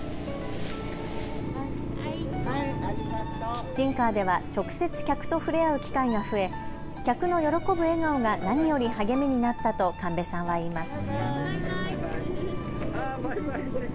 キッチンカーでは直接、客と触れ合う機会が増え客の喜ぶ笑顔が何より励みになったと神邉さんは言います。